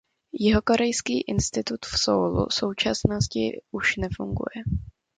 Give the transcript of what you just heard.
Jihokorejský institut v Soulu v současnosti už nefunguje.